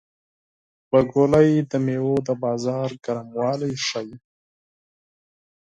غبرګولی د میوو د بازار ګرموالی ښيي.